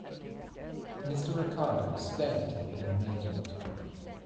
Mr. Ricardo stared at him in amazement.